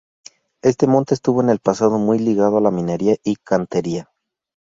Este monte estuvo en el pasado muy ligado a la minería y cantería.